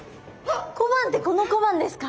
小判ってこの小判ですか？